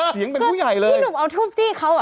เสียงเป็นผู้ใหญ่เลยพี่หนุ่มเอาทูบจี้เขาอ่ะ